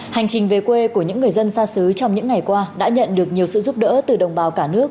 hành trình về quê của những người dân xa xứ trong những ngày qua đã nhận được nhiều sự giúp đỡ từ đồng bào cả nước